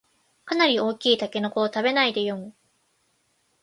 かなり大きいタケノコを食べないでよん